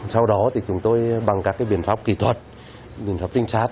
sau đó thì chúng tôi bằng các biện pháp kỹ thuật biện pháp trinh sát